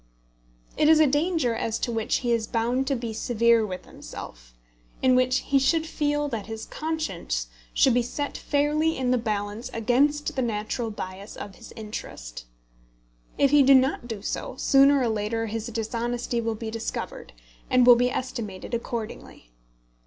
It is a danger as to which he is bound to be severe with himself in which he should feel that his conscience should be set fairly in the balance against the natural bias of his interest. If he do not do so, sooner or later his dishonesty will be discovered, and will be estimated accordingly.